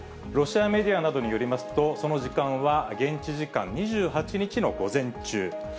ロシアメディアなどによりますと、その時間は現地時間２８日の午前中。